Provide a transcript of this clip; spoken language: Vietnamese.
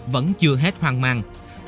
vẫn chưa hết hoang mang